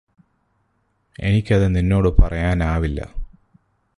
എനിക്കത് നിന്നോട് പറയാനാവില്ല